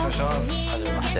初めまして。